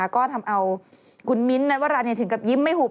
ก็ทำเอาคุณมิ้นท์นวราถึงกับยิ้มไม่หุบ